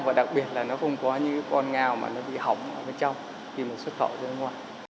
và đặc biệt là nó không có những con ngao mà nó bị hỏng ở bên trong khi mà xuất khẩu ra ngoài